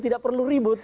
tidak perlu ribut